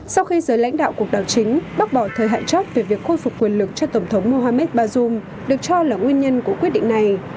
sau khi giới lãnh đạo cuộc đảo chính bác bỏ thời hạn chót về việc khôi phục quyền lực cho tổng thống mohamed bazoum được cho là nguyên nhân của quyết định này